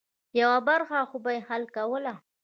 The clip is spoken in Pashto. یوه برخه خو به یې حل کوله.